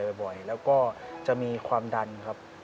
แล้วก็เจ็บป่วยบ่อยแล้วก็จะมีความดันครับ